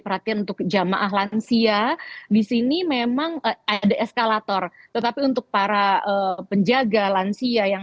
perhatian untuk jamaah lansia di sini memang ada eskalator tetapi untuk para penjaga lansia yang